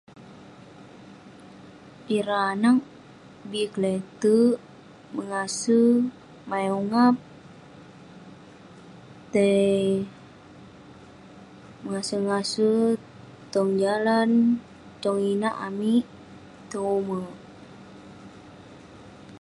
Ireh arag bi kelete'erk, mengase, main ungap, tai ngase-ngase tong jalan, tong inak amik tong ume'.